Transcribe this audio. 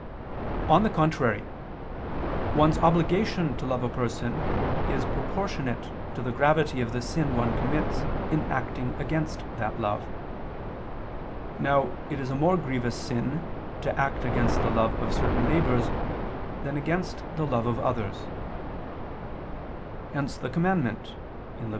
On the contrary, One's obligation to love a person is proportionate to the gravity of the sin one commits in acting against that love. Now it is a more grievous sin to act against the love of certain neighbors, than against the love of others. Hence the commandment (Lev.